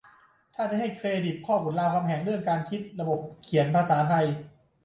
ถ้าจะให้เครดิตพ่อขุนรามคำแหงเรื่องการคิดระบบเขียนภาษาไทย